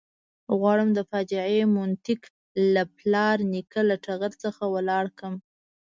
غواړم د فاجعې منطق له پلار نیکه له ټغر څخه ولاړ کړم.